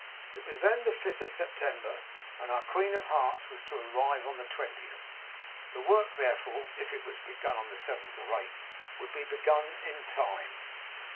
It was then the fifth of September, and our Queen of Hearts was to arrive on the twentieth. The work, therefore, if it was begun on the seventh or eighth, would be begun in time.